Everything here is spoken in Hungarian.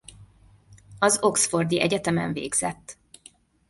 Az Oxfordi Egyetemen végzett.